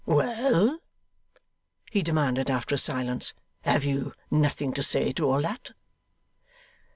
'Well,' he demanded after a silence, 'have you nothing to say to all that?